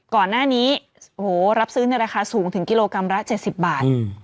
ก่อนหน้านี้รับซื้อในราคาสูงถึงกิโลกรัมละ๗๐บาท